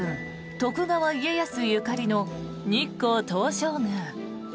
徳川家康ゆかりの日光東照宮。